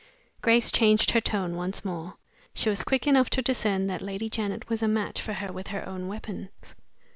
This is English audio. Grace changed her tone once more. She was quick enough to discern that Lady Janet was a match for her with her own weapons.